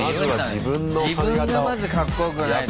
自分がまずかっこよくないと。